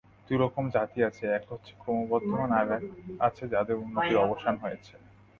দু-রকম জাতি আছে এক হচ্ছে ক্রমবর্ধমান, আর এক আছে যাদের উন্নতির অবসান হয়েছে।